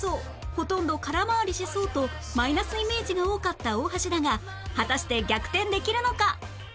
「ほとんど空回りしそう」とマイナスイメージが多かった大橋だが果たして逆転できるのか？